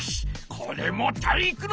これも体育ノ